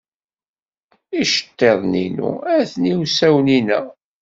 Iceḍḍiḍen-inu atni usawen-inna.